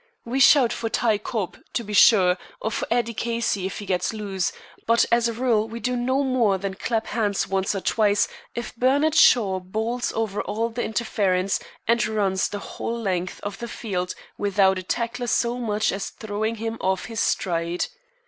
We shout for Ty Cobb, to be sure, or for Eddie Casey if he gets loose, but as a rule we do no more than clap hands once or twice if Bernard Shaw bowls over all the interference and runs the whole length of the field without a tackler so much as throwing him off his stride.